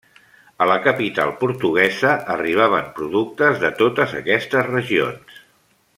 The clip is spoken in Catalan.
A la capital portuguesa arribaven productes de totes aquestes regions.